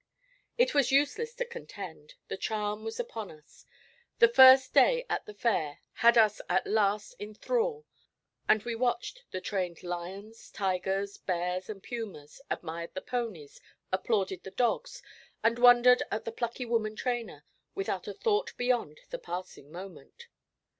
It was useless to contend; the charm was upon us; the first day at the Fair had us at last in thrall, and we watched the trained lions, tigers, bears, and pumas, admired the ponies, applauded the dogs, and wondered at the plucky woman trainer, without a thought beyond the passing moment.